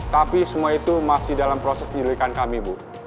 tapi semua itu masih dalam proses penyelidikan kami bu